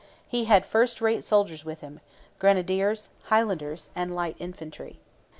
He had first rate soldiers with him: grenadiers, Highlanders, and light infantry.